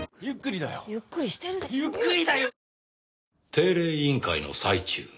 定例委員会の最中？